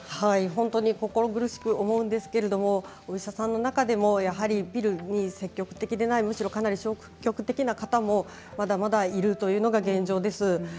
本当に心苦しく思うんですけれどお医者さんの中にも、やはりピルに積極的でないかなり消極的な方もまだまだいるというのが現状です。